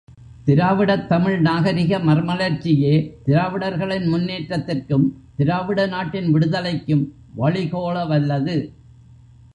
திராவிடத்தமிழ் நாகரிக மறுமலர்ச்சியே, திராவிடர்களின் முன்னேற்றத்திற்கும் திராவிட நாட்டின் விடுதலைக்கும் வழிகோல வல்லது.